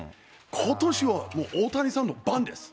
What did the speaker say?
ことしはもう大谷さんの番です。